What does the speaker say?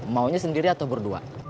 maunya sendiri atau berdua